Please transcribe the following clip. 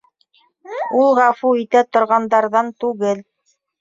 Ул ғәфү итә торғандарҙан түгел.